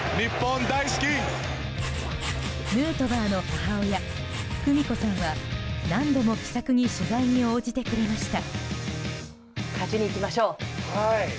ヌートバーの母親久美子さんは何度も気さくに取材に応じてくれました。